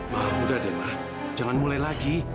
wah udah deh ma jangan mulai lagi